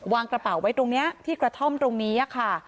วางกระเป๋าไว้ตรงนี้ที่กระท่อมตรงนี้ค่ะ